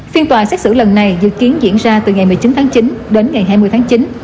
phiên tòa xét xử lần này dự kiến diễn ra từ ngày một mươi chín tháng chín đến ngày hai mươi tháng chín